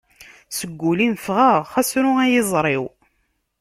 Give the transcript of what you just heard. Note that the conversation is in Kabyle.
Seg ul-im fɣeɣ, xas ru ay iẓri-w.